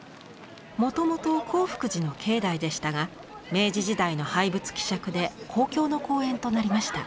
もともと興福寺の境内でしたが明治時代の廃仏毀釈で公共の公園となりました。